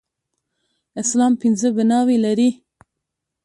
اسلام پنځه بناوې لري